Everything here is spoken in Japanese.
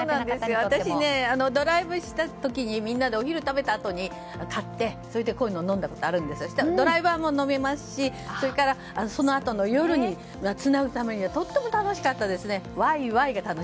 私、ドライブした時にみんなでお昼を食べたあとに買ってこういうの飲んだことあるんですけどドライバーも飲めますしそれからそのあとの夜につなぐためにはとても楽しかったですね。